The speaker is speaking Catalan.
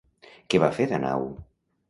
Què va fer Danau?